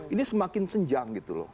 ini semakin senjang gitu loh